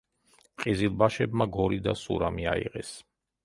ყიზილბაშებმა გორი და სურამი აიღეს.